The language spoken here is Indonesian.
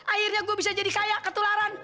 akhirnya gua bisa jadi kaya ketularan